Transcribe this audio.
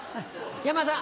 山田さん